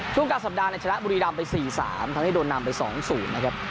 ช่วงกลางสัปดาห์เนี่ยชนะบุรีดำไป๔๓ทั้งให้โดนนำไป๒๐นะครับ